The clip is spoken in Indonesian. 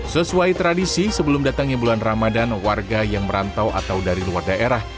sesuai tradisi sebelum datangnya bulan ramadan warga yang merantau atau dari luar daerah